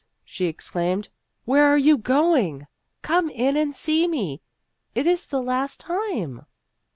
she exclaimed, "where are you going ? Come in and see me ; it is the last time."